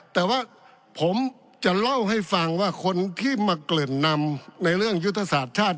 แต่ว่าผมจะเล่าให้ฟังว่าคนที่มาเกริ่นนำในเรื่องยุทธศาสตร์ชาติ